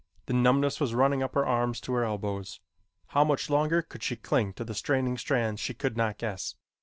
The numbness was running up her arms to her elbows. How much longer she could cling to the straining strands she could not guess.